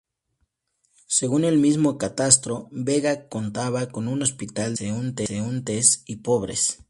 Según el mismo Catastro, Vega contaba con un hospital de transeúntes y pobres.